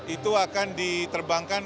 itu akan diterbangkan